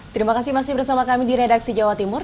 terima kasih masih bersama kami di redaksi jawa timur